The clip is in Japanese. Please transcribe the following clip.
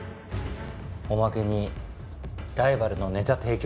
おまけにライバルのネタ提供ですか。